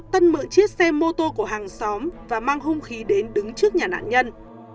tân mượn chiếc xe mô tô của hàng xóm và mang hung khí đến đứng trước nhà nạn nhân